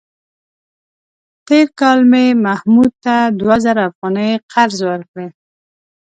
تېر کال مې محمود ته دوه زره افغانۍ قرض ورکړې.